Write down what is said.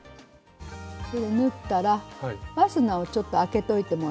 縫ったらファスナーをちょっとあけておいてもらって。